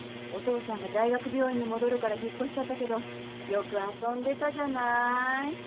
お父さんが大学病院に戻るから引っ越しちゃったけどよく遊んでたじゃない。